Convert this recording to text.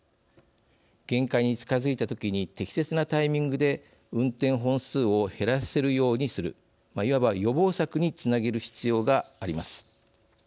限界に近づいた時に適切なタイミングで運転本数を減らせるようにするいわば予防策につなげる必要があります。